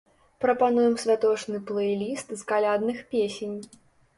Прапануем святочны плэй-ліст з калядных песень.